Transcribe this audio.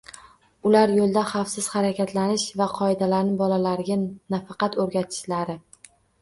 Ular yo‘lda xavfsiz harakatlanish va qoidalarni bolalariga nafaqat o‘rgatishlari